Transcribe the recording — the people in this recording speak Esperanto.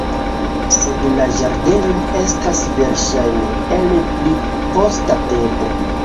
Sed la ĝardenoj estas verŝajne el pli posta tempo.